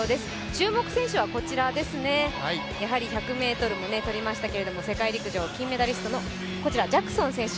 注目選手はこちらですね、やはり１００ｍも取りましたけれども世界陸上金メダリストのこちら、ジャクソン選手。